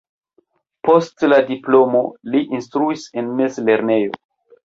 Post la diplomo li instruis en mezlernejo.